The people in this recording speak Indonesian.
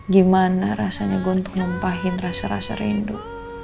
gimana rasanya gue untuk nyumpahin rasa rasa rindu